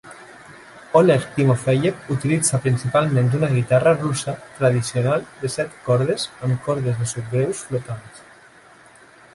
Oleg Timofeyev utilitza principalment una guitarra russa tradicional de set cordes amb cordes de subgreus flotants.